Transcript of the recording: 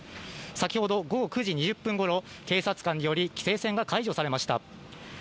先ほど午後９時２０分ごろ警察官により規制線が解除されました。